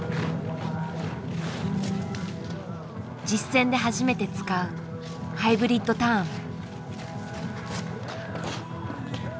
実戦で初めて使う「ハイブリッドターン」。